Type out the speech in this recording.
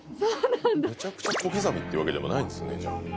めちゃくちゃ小刻みってわけでもないんですねじゃあ。